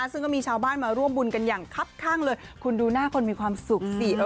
ซึ่งก็มีชาวบ้านมาร่วมบุญกันอย่างคับข้างเลยคุณดูหน้าคนมีความสุขสิ